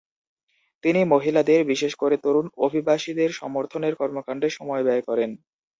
তিনি মহিলাদের, বিশেষ করে তরুণ অভিবাসীদের সমর্থনের কর্মকাণ্ডে সময় ব্যয় করেন।